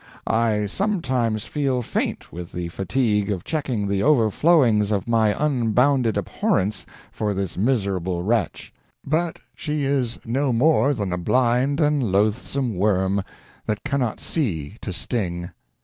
I sometimes feel faint with the fatigue of checking the overflowings of my unbounded abhorrence for this miserable wretch. But she is no more than a blind and loathsome worm, that cannot see to sting.